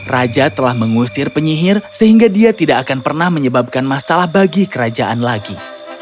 raja telah mengusir penyihir sehingga dia tidak akan pernah menyebabkan masalah bagi kerajaan lagi